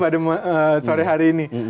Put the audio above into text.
pada sore hari ini